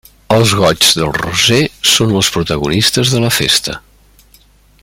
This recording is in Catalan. Els goigs del Roser són els protagonistes de la festa.